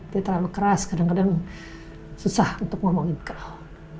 dia terlalu keras kadang kadang susah untuk ngomongin crow